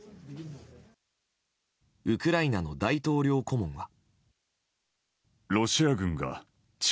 ウクライナの大統領顧問は。